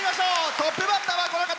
トップバッターは、この方。